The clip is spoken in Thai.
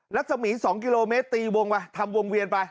รัศมี๒กิโลเมตรตีวงไปทำวงเวียนไป